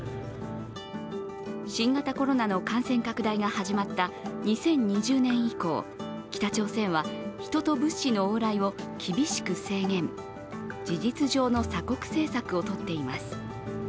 新型コロナの感染拡大が始まった２０２０年以降北朝鮮は人と物資の往来を厳しく制限、事実上の鎖国政策をとっています。